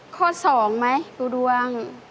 ข้อสองไหมรู้ดวง